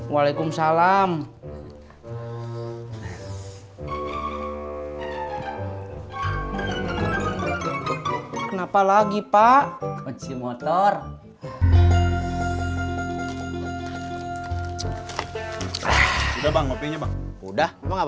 waalaikumsalam kenapa lagi pak kecik motor udah bangkotnya udah kalau udah antre ngajak